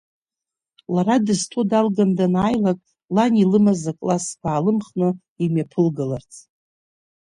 Лара дызҭоу далганы данааилак, лан илымаз аклассқәа аалымхны, имҩаԥылгаларц.